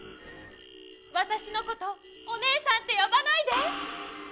わたしのこと「おねえさん」ってよばないで！